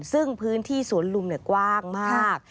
ซึ่งพื้นที่สวนลุมกว้างมาก